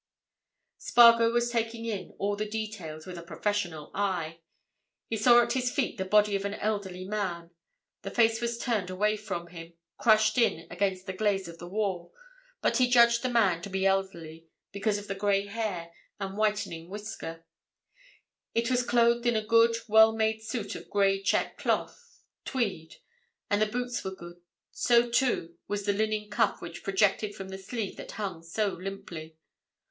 Spargo was taking in all the details with a professional eye. He saw at his feet the body of an elderly man; the face was turned away from him, crushed in against the glaze of the wall, but he judged the man to be elderly because of grey hair and whitening whisker; it was clothed in a good, well made suit of grey check cloth—tweed—and the boots were good: so, too, was the linen cuff which projected from the sleeve that hung so limply.